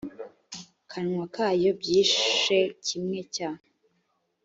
kanwa kayo byishe kimwe cya